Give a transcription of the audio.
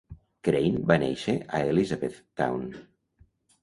Crane va néixer a Elizabethtown.